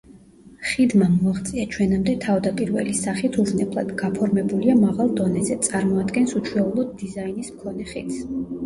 ხიდმა მოაღწია ჩვენამდე თავდაპირველი სახით უვნებლად, გაფორმებულია მაღალ დონეზე, წარმოადგენს უჩვეულო დიზაინის მქონე ხიდს.